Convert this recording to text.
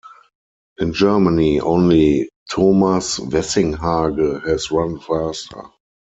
In Germany only Thomas Wessinghage has run faster.